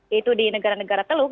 yaitu di negara negara teluk